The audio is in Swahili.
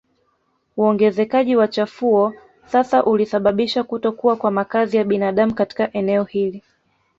Uongezekaji wa chafuo sasa ulisababisha kutokuwa kwa makazi ya binadamu katika eneo hili